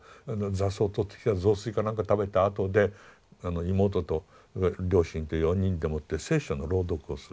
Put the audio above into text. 雑草をとってきた雑炊かなんか食べたあとで妹と両親と４人でもって聖書の朗読をする。